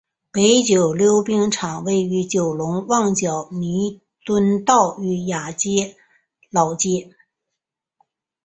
九龙溜冰场位于九龙旺角弥敦道与亚皆老街。